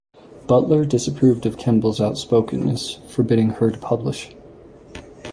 Butler disapproved of Kemble's outspokenness, forbidding her to publish.